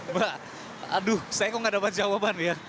mbak aduh saya kok gak dapat jawaban ya